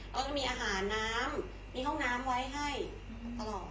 เขาจะมีอาหารน้ำมีห้องน้ำไว้ให้ตลอด